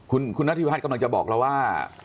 คุณนัทธิพัฒน์กำลังจะบอกเราว่า